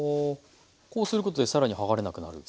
こうすることで更にはがれなくなる。